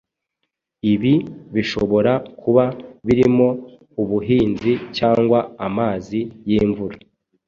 Ibi bishobora kuba birimo ubuhinzi cyangwa amazi yimvura